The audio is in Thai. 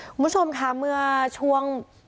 คุณผู้ชมค่ะเมื่อช่วง